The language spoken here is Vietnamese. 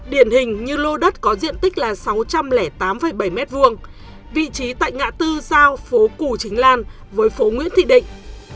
điển hình như lô đất có diện tích là sáu trăm linh tám bảy m hai vị trí tại ngã tư giao phố cù chính lan với phố nguyễn thị định